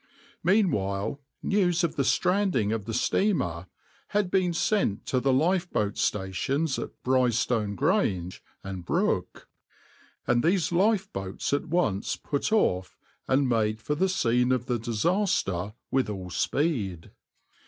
Meanwhile news of the stranding of the steamer had been sent to the lifeboat stations at Brighstone Grange and Brooke, and these lifeboats at once put off and made for the scene of the disaster with all speed.